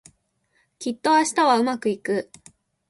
きっと明日はうまくいく